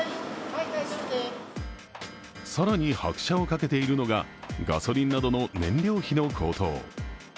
更に拍車をかけているのがガソリンなどの燃料費の高騰。